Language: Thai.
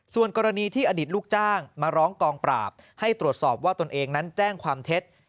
ส่วนกรณีที่อดีตลูกจ้างมาร้องกองปราบให้ตรวจสอบว่าตนเองนั้นแจ้งความเท็จ